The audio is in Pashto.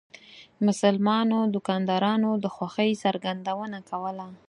مسلمانو دکاندارانو د خوښۍ څرګندونه کوله.